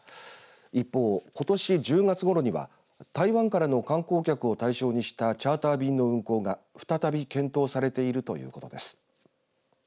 一方ことし１０月ごろには台湾からの観光客を対象にしたチャーター便の運航が再び検討されているということです。